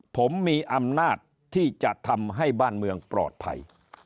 ผมมีอำนาจที่จะทำให้บ้านเมืองปลอดภัย